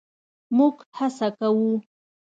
مونږ هڅه کوو